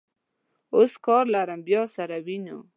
اوس کار لرم، بیا سره وینو.